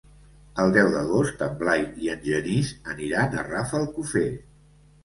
El deu d'agost en Blai i en Genís aniran a Rafelcofer.